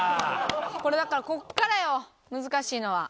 これだからここからよ難しいのは。